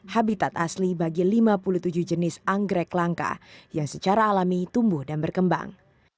habitat asli bagi lima puluh tujuh jenis anggrek langka yang secara alami tumbuh dan berkembang